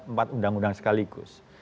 empat undang undang sekaligus